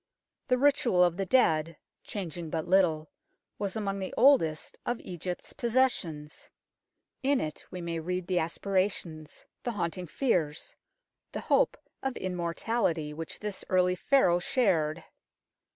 The ritual of the dead, changing but little, was among the oldest of Egypt's possessions. In it we may read the aspirations, the haunting fears, the hope of immortality which this early Pharaoh shared.